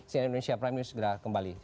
si indonesia prime news segera kembali